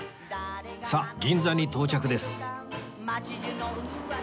さあ銀座に到着です